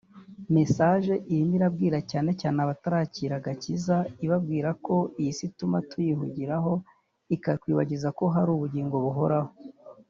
message irimo irabwira cyane cyane abatarakira agakiza ibabwira ko iyi si ituma tuyihugiraho ikatwibagiza ko hari ubugingo buhoraho